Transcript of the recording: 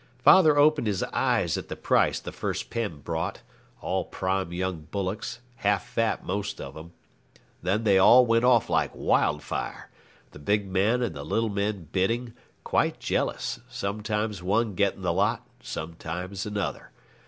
Father opened his eyes at the price the first pen brought, all prime young bullocks, half fat most of them. Then they all went off like wildfire; the big men and the little men bidding, quite jealous, sometimes one getting the lot, sometimes another.